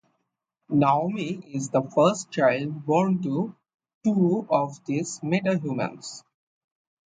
Naomi is the first child born to two of these metahumans.